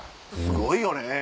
すごいよね。